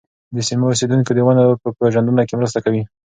د سیمو اوسېدونکي د ونو په پېژندنه کې مرسته کوي.